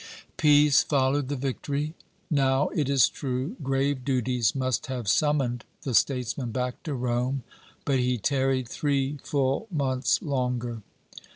"Peace followed the victory. Now, it is true, grave duties must have summoned the statesman back to Rome, but he tarried three full months longer.